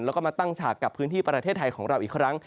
แล้วก็มาตั้งฉากกับพื้นที่ประเทศไทยของเราอีกครั้ง